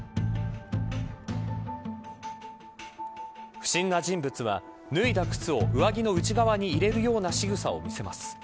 不審な人物は脱いだ靴を上着の内側に入れるようなしぐさを見せます。